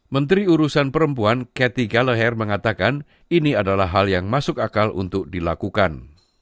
menteri urusan perempuan ketika leher mengatakan ini adalah hal yang masuk akal untuk dilakukan